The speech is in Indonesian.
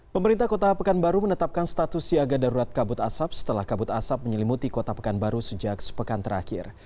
pemerintah kota pekanbaru menetapkan status siaga darurat kabut asap setelah kabut asap menyelimuti kota pekanbaru sejak sepekan terakhir